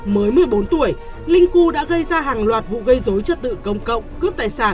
mới một mươi bốn tuổi linh cu đã gây ra hàng loạt vụ gây dối trật tự công cộng cướp tài sản